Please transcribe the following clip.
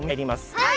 はい。